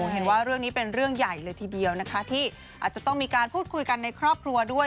เห็นว่าเรื่องนี้เป็นเรื่องใหญ่เลยทีเดียวนะคะที่อาจจะต้องมีการพูดคุยกันในครอบครัวด้วย